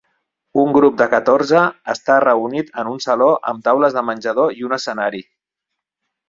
Un grup de catorze està reunit en un saló amb taules de menjador i un escenari.